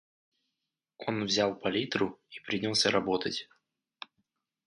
Он взял палитру и принялся работать.